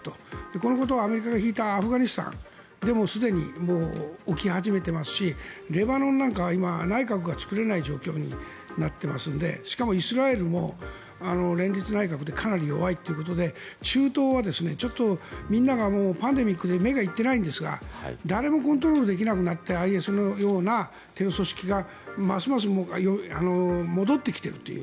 このことはアメリカが引いたアフガニスタンでもすでに起き始めていますしレバノンなんかは今、内閣が作れない状況になってますのでしかも、イスラエルも連立内閣でかなり弱いということで中東はちょっとみんながパンデミックで目が行ってないんですが誰もコントロールできなくなってＩＳのようなテロ組織がますます戻ってきているという。